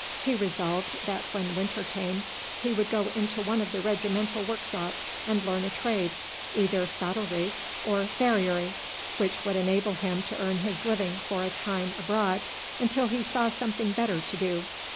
He resolved that when winter came he would go into one of the regimental workshops and learn a trade, either saddlery or farriery, which would enable him to earn his living for a time abroad until he saw something better to do.